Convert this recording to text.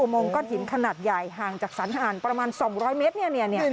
โมงก้อนหินขนาดใหญ่ห่างจากสรรหารประมาณ๒๐๐เมตร